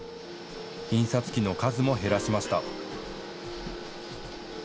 印刷機の数も減らしました。